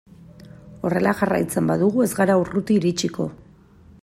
Horrela jarraitzen badugu ez gara urruti iritsiko.